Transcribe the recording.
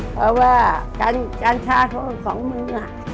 เพราะว่าการช่าโทษของมึง